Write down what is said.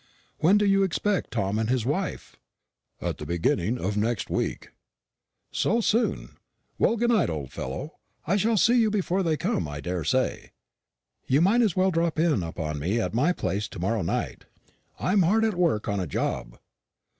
When do you expect Tom and his wife?" "At the beginning of next week." "So soon! Well, good night, old fellow; I shall see you before they come, I daresay. You might as well drop in upon me at my place to morrow night. I'm hard at work on a job."